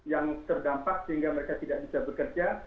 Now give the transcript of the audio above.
yang terdampak sehingga mereka tidak bisa bekerja